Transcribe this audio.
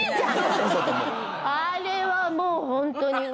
あれはもうホントにね。